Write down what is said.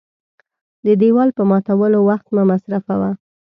د دېوال په ماتولو وخت مه مصرفوه .